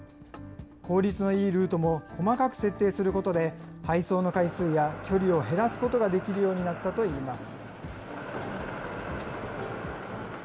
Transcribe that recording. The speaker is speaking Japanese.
効率のいいルートも細かく設定することで、配送の回数や距離を減らすことができるようになったといいます。